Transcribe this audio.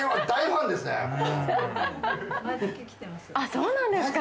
そうなんですか。